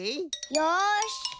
よし。